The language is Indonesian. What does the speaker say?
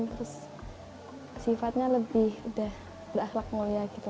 terus sifatnya lebih udah berakhlak mulia gitu